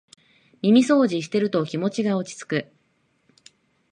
耳そうじしてると気持ちが落ちつく